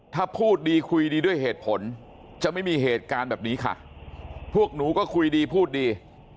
ถ้าพูดดีคุยดีด้วยเหตุผลจะไม่มีเหตุการณ์แบบนี้ค่ะพวกหนูก็คุยดีพูดดี